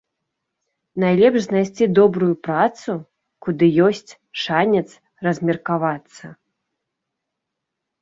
Найлепш знайсці добрую працу, куды ёсць шанец размеркавацца.